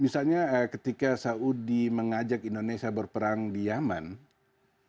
misalnya ketika saudi mengajak indonesia berperang di yaman